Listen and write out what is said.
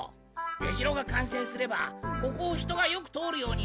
出城が完成すればここを人がよく通るようになり。